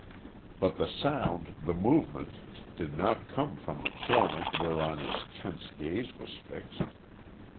But the sound, the movement, did not come from the corner whereon his tense gaze was fixed.